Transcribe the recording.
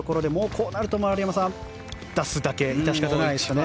こうなると丸山さん出すだけ、致し方ないですね。